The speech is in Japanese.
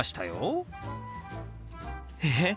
えっ？